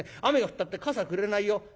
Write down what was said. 雨が降ったって傘くれないよ」。